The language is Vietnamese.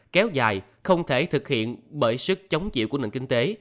kéo dài không thể thực hiện bởi sức chống chịu của nền kinh tế